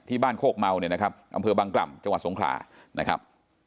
บ้านโคกเมาเนี่ยนะครับอำเภอบางกล่ำจังหวัดสงขลานะครับ